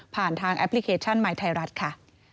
ทางแอปพลิเคชันใหม่ไทยรัฐค่ะ